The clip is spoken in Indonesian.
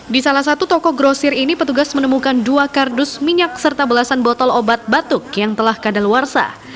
di salah satu toko grosir ini petugas menemukan dua kardus minyak serta belasan botol obat batuk yang telah kadaluarsa